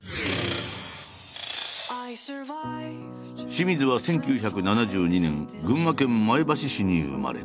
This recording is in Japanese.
清水は１９７２年群馬県前橋市に生まれた。